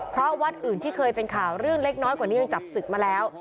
เพราะวัดอื่นที่เคยเป็นข่าวเรื่องเล็กน้อยกว่านี้ยังจับศึกมาแล้ว